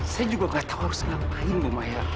saya juga gak tahu harus ngapain bu maya